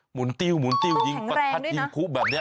หุนติ้วหมุนติ้วยิงประทัดยิงผู้แบบนี้